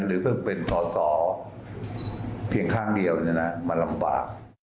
หรือเพิ่งเป็นสอสอเพียงข้างเดียวมันลำบาก